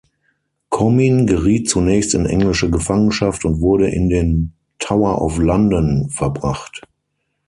Comyn geriet zunächst in englische Gefangenschaft und wurde in den Tower of London verbracht.